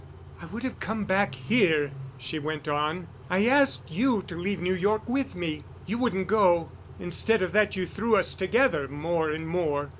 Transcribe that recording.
"I would have come back here," she went on. "I asked you to leave New York with me. You wouldn't go. Instead of that you threw us together more and more.